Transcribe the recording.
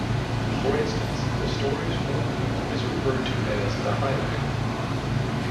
For instance, the story's wormhole is referred to as "The Highway".